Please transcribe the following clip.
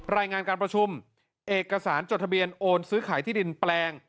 รายงานการประชุมเอกสารจดทะเบียนโอนซื้อขายที่ดินแปลง